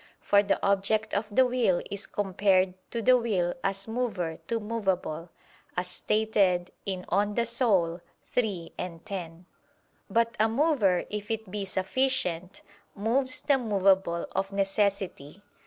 For the object of the will is compared to the will as mover to movable, as stated in De Anima iii, 10. But a mover, if it be sufficient, moves the movable of necessity.